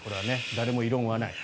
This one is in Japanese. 誰も異論がない。